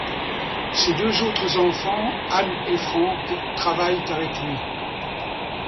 Ses deux autres enfants, Anne et Franck, travaillent avec lui.